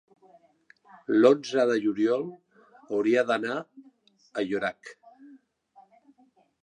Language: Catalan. l'onze de juliol hauria d'anar a Llorac.